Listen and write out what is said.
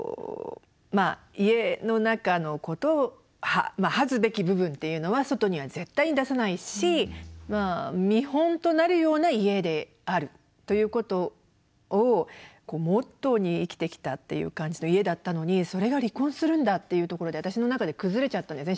家の中のことまあ恥ずべき部分っていうのは外には絶対出さないし見本となるような家であるということをモットーに生きてきたっていう感じの家だったのにそれが離婚するんだっていうところで私の中で崩れちゃったんですね